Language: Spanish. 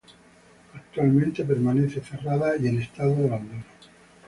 Actualmente permanece cerrada y en estado de abandono.